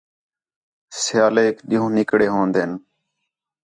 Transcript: سیالیک ݙِین٘ہوں نِکڑے ہون٘دِن